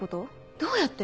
どうやって？